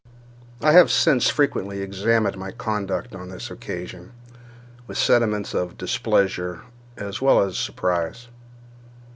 I have since frequently examined my conduct on this occasion with sentiments of displeasure as well as of surprise.